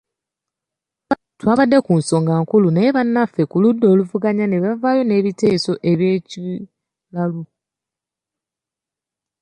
Twabadde ku nsonga nkulu naye bannaffe ku ludda oluvuganya ne bavaayo n’ebiteeso eby’ekiralu .